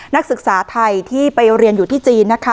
นักศึกษาไทยที่ไปเรียนอยู่ที่จีนนะคะ